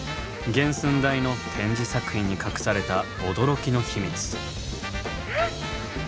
原寸大の展示作品に隠された驚きの秘密。